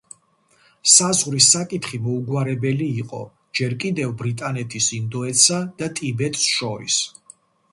საზღვრის საკითხი მოუგვარებელი იყო ჯერ კიდევ ბრიტანეთის ინდოეთსა და ტიბეტს შორის.